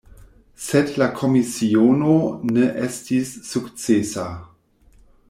Sed la komisiono ne estis sukcesa.